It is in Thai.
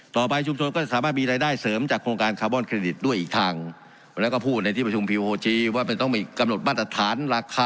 ชุมชนก็จะสามารถมีรายได้เสริมจากโครงการคาร์บอนเครดิตด้วยอีกทางราคา